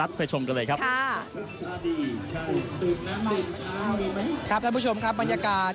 เรียกว่าจริง